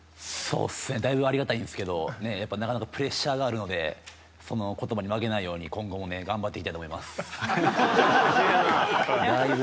だいぶありがたいんですけどなかなかプレッシャーがあるのでその言葉に負けないように今後も頑張っていきたいと思います。